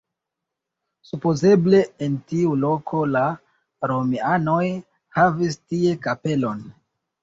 Supozeble en tiu loko la romianoj havis tie kapelon.